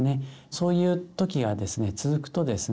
そういう時がですね続くとですね